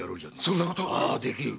そんなことが⁉ああできる。